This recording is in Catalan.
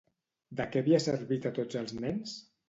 De què havia servit a tots els nens?